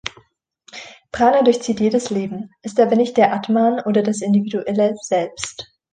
Prana durchzieht jedes Leben, ist aber nicht der Atman oder das individuelle Selbst.